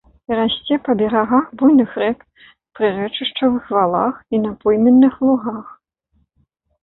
Расце па берагах буйных рэк, прырэчышчавых валах і на пойменных лугах.